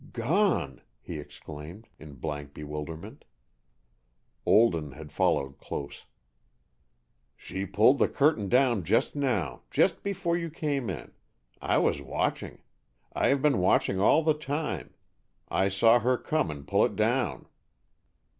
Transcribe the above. "Gone!" he exclaimed, in blank bewilderment. Olden had followed close. "She pulled the curtain down just now, just before you came in. I was watching, I have been watching all the time, I saw her come and pull it down."